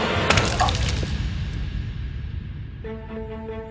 あっ。